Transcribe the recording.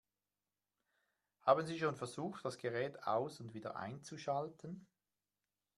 Haben Sie schon versucht, das Gerät aus- und wieder einzuschalten?